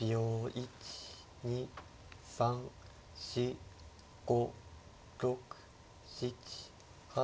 １２３４５６７８９。